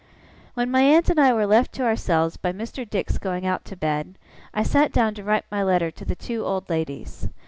When my aunt and I were left to ourselves by Mr. Dick's going out to bed, I sat down to write my letter to the two old ladies.